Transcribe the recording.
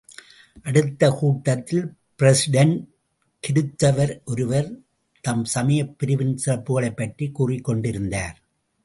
அடுத்த கூட்டத்தில் பிராடெஸ்டண்ட் கிருத்துவர் ஒருவர், தம் சமயப் பிரிவின் சிறப்புக்களைப் பற்றிக் கூறிக் கொண்டிருந்தார்.